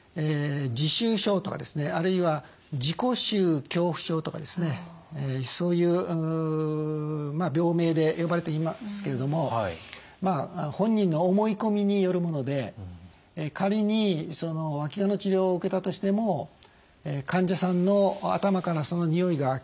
自臭症とかあるいは自己臭恐怖症とかそういう病名で呼ばれていますけれども本人の思い込みによるもので仮にわきがの治療を受けたとしても患者さんの頭からそのにおいが消えることはまずありません。